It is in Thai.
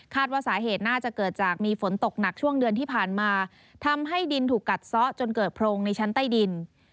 ว่าสาเหตุน่าจะเกิดจากมีฝนตกหนักช่วงเดือนที่ผ่านมาทำให้ดินถูกกัดซะจนเกิดโพรงในชั้นใต้ดิน